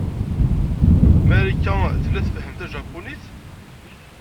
Marika tella tfehhem tajapunit?